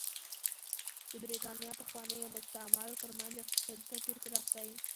د برېټانیا پخوانیو مستعمرو ترمنځ اقتصادي توپیر پراخ دی.